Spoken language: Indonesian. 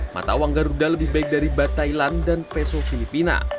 mata uang garuda lebih baik dari bathailand dan peso filipina